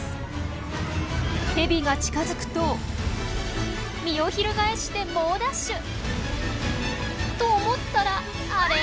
ヘビが近づくと身を翻して猛ダッシュ！と思ったらあれ？